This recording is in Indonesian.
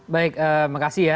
baik makasih ya